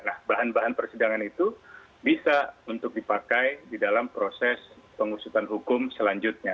nah bahan bahan persidangan itu bisa untuk dipakai di dalam proses pengusutan hukum selanjutnya